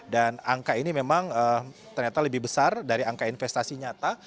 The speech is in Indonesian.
dan angka ini memang ternyata lebih besar dari angka investasi nyata